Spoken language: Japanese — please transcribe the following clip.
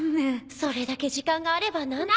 それだけ時間があれば何とか。